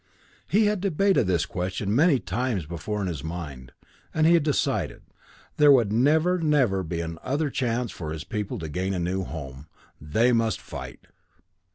He had debated this question many times before in his mind, and he had decided. There would never, never be another chance for his people to gain a new home. They must fight.